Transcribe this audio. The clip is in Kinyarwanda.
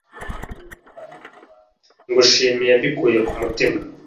Ngushimiye mbikuye ku mutima